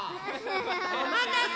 おまたせ！